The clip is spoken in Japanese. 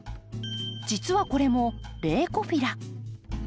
実はこれもレウコフィラ。